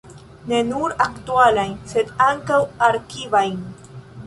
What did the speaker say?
Ne nur aktualajn, sed ankaŭ arkivajn.